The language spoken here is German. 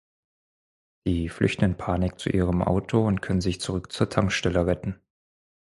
Sie flüchten in Panik zu ihrem Auto und können sich zurück zur Tankstelle retten.